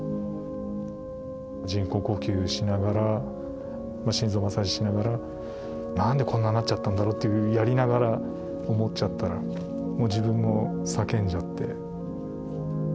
人工呼吸しながら心臓マッサージしながら何でこんななっちゃったんだろうってやりながら思っちゃったらもう自分も叫んじゃって。